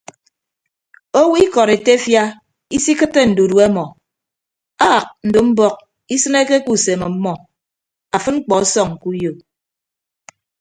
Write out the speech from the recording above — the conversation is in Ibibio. Owo ikọd etefia isikịtte ndudue ọmọ aak ndo mbọk isịneke ke usem ọmmọ afịd mkpọ ọsọñ ke uyo.